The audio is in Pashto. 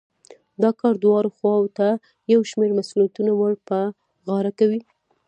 دا کار دواړو خواوو ته يو شمېر مسوليتونه ور په غاړه کوي.